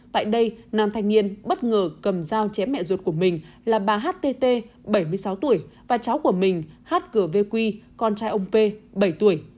tại đây nam thanh niên bất ngờ cầm dao chém mẹ ruột của mình là bà htt bảy mươi sáu tuổi và cháu của mình hát cửa vq con trai ông p bảy tuổi